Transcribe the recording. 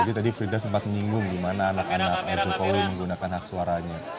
jadi jadi frida sempat menyinggung gimana anak anak itu koi menggunakan hak suaranya